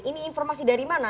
ini informasi dari mana